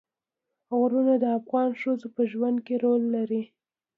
غرونه د افغان ښځو په ژوند کې رول لري.